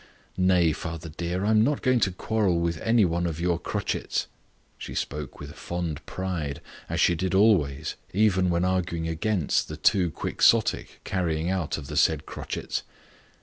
Nay, father dear, I am not going to quarrel with any one of your crotchets." She spoke with a fond pride, as she did always, even when arguing against the too Quixotic carrying out of the said crotchets.